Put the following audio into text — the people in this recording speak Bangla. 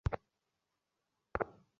শোনো, আমাদের কথা বলতে হবে!